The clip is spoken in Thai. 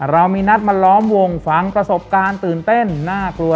เรามีนัดมาล้อมวงฟังประสบการณ์ตื่นเต้นน่ากลัว